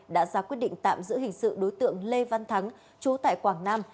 đã ra quyết định tạm giữ hình sự đối tượng lê văn thắng chú tại quảng nam